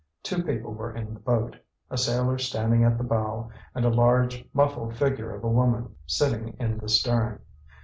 Two people were in the boat, a sailor standing at the bow, and a large muffled figure of a woman sitting in the stern.